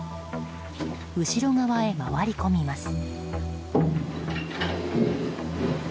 後ろ側へ回り込みます。